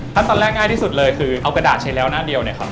ถ้าตอนแรกง่ายที่สุดเลยคือเอากระดาษใช้แล้วหน้าเดียวเนี่ยครับ